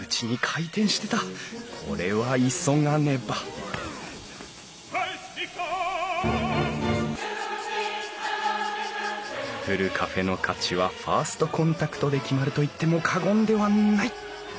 これは急がねばふるカフェの価値はファーストコンタクトで決まると言っても過言ではない！